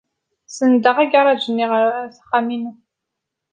Senndeɣ agaṛaj-nni ɣer wexxam-inu.